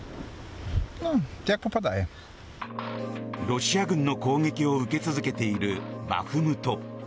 ロシア軍の攻撃を受け続けているバフムト。